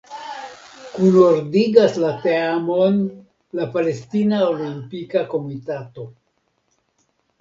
Kunordigas la teamon la Palestina Olimpika Komitato.